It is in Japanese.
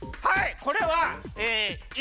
はい！